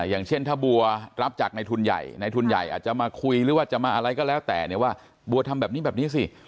อย่างเช่นถ้าบัวรับจักษ์ในทุนใหญ่จะมาคุยก็แล้วแต่ว่าบัวทำแบบนี้แบบนี้สิ